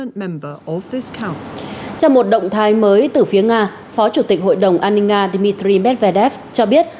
trong một động thái mới từ phía nga phó chủ tịch hội đồng an ninh nga dmitry medvedev cho biết